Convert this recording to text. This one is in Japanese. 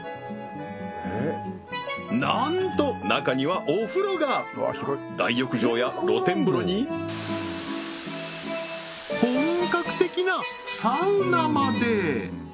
なんと中にはお風呂が大浴場や露天風呂に本格的なサウナまで！